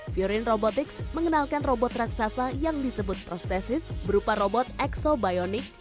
fiorin robotics mengenalkan robot raksasa yang disebut prostesis berupa robot eksobionik